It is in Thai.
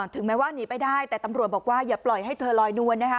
ถึงแม้ว่าหนีไปได้แต่ตำรวจบอกว่าอย่าปล่อยให้เธอลอยนวลนะคะ